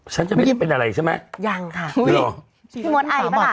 ฉันจะไม่เป็นอะไรใช่ไหมหรือหรอพี่หมดไอ้ปะล่ะ